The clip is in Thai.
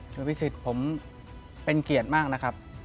คุณพิสิทธิ์ผมเป็นเกียรติมากนะครับ